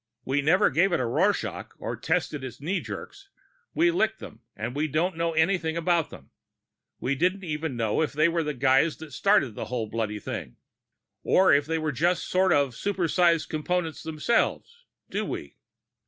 We never gave it a Rorschach or tested its knee jerks. We licked them, but we don't know anything about them. We don't even know if they were the guys that started the whole bloody thing, or if they were just sort of super sized Components themselves. Do we?